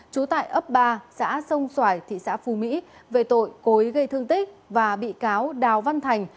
chú tại ấp ba xã sông xoài thị xã phú mỹ về tội cối gây thương tích và bị cáo đào văn thành